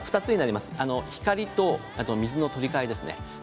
光と水の取り替えです。